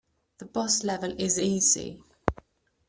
The boss level is easy.